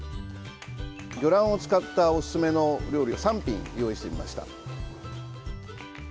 魚卵を使ったおすすめの料理を３品用意してみました。